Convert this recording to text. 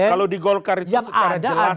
kalau di golkar itu secara jelas dan nyata